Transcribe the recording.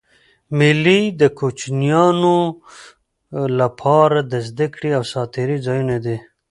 مېلې د کوچنيانو له پاره د زدهکړي او ساتېري ځایونه دي.